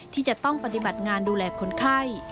ที่จะต้องปฏิบัติงานดูแลคนไข้